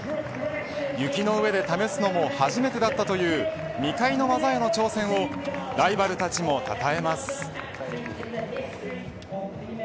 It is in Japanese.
雪の上で試すのも初めてだったという未開の技への挑戦をライバルたちも称えます。